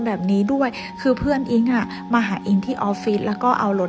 แบบนี้ด้วยคือเพื่อนอิ๊งอ่ะมาหาอิ๊งที่ออฟฟิศแล้วก็เอารถ